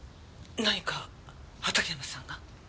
何か畑山さんが？